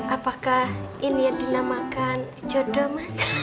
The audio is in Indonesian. apakah ini yang dinamakan jodoh mas